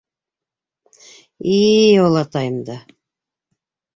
И-и, олатайымды!